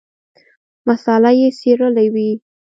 مساله یې څېړلې وي.